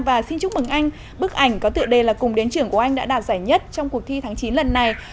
và xin chúc mừng anh bức ảnh có tựa đề là cùng đến trưởng của anh đã đạt giải nhất trong cuộc thi tháng chín lần này